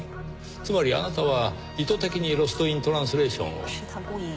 つまりあなたは意図的にロスト・イン・トランスレーションを。